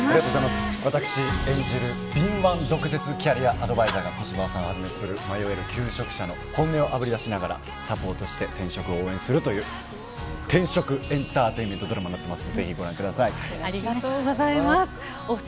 私演じる敏腕毒舌キャリアアドバイザーが小芝さん演じる、迷える求職者の本音をあぶり出しながらサポートして転職を応援するという転職エンターテインメントドラマになっています。